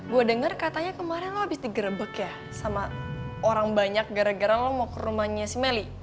gua dengar katanya kemarin lu abis digerebek ya sama orang banyak gara gara lu mau ke rumahnya si meli